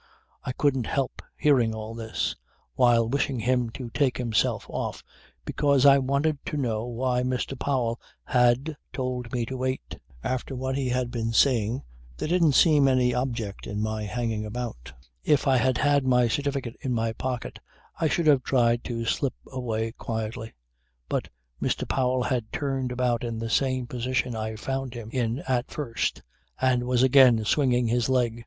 . I couldn't help hearing all this, while wishing him to take himself off, because I wanted to know why Mr. Powell had told me to wait. After what he had been saying there didn't seem any object in my hanging about. If I had had my certificate in my pocket I should have tried to slip away quietly; but Mr. Powell had turned about into the same position I found him in at first and was again swinging his leg.